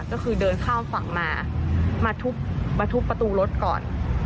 ก็คือเดินข้ามฝั่งมามาทุบประตูรถก่อน